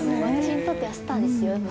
私にとってはスターですよ